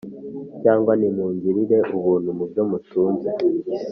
cyangwa nti ‘nimungirire ubuntu mu byo mutunze’’